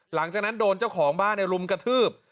หลังจากนั้นโดนเจ้าของบ้านรุมกระทืบ